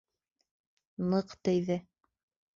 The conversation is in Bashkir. Ныҡ тейҙе.